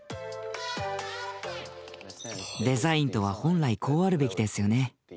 デザインとは本来こうあるべきですよね。